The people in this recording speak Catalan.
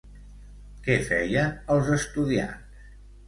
Què feien els estudiants?